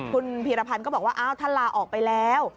คุณพีรพันธ์ก็บอกว่าอ้าวท่านลาออกไปแล้ว